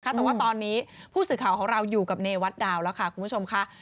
แต่ว่าตอนนี้ผู้สื่อข่าวของเราอยู่กับเนวัดดาวแล้วค่ะคุณผู้ชมค่ะ